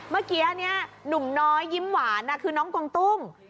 เมื่อกี้หนุ่มน้อยยิ้มหวานคือน้องกงตุ้ม